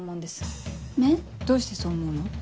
どうしてそう思うの？